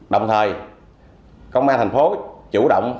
đồng thời công an thành phố chủ động